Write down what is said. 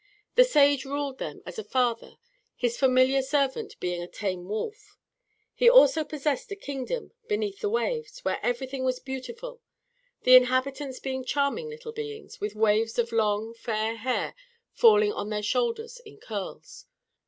The sage ruled them as a father, his familiar servant being a tame wolf. He also possessed a kingdom, beneath the waves, where everything was beautiful, the inhabitants being charming little beings, with waves of long, fair hair falling on their shoulders in curls.